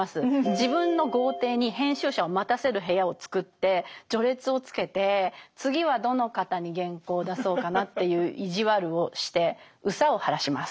自分の豪邸に編集者を待たせる部屋を作って序列をつけて「次はどの方に原稿を出そうかな」という意地悪をして憂さを晴らします。